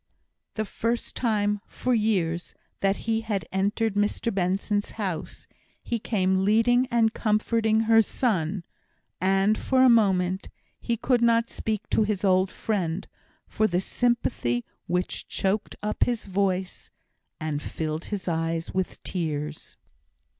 The first time, for years, that he had entered Mr Benson's house, he came leading and comforting her son and, for a moment, he could not speak to his old friend, for the sympathy which choked up his voice, and filled his eyes with tears.